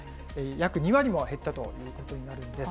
約２割も減ったということになるんです。